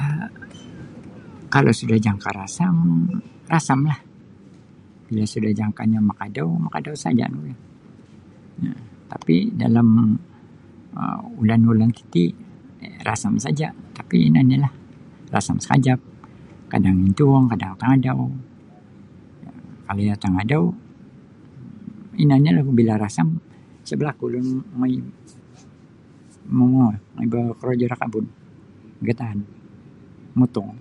um Kalau suda jangka rasam rasamlah bila suda jangkanya makadau makadau saja nogu yo tapi dalam um ulan-ulan titi rasam saja tapi ino ni lah rasam sakajap kadang intuong kadang tangadau kalau iyo tangadau [unintelligible] bila rasam isa balaku [unintelligible] bokorojo da kabun [unintelligible] motong.